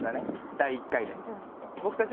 第１回で。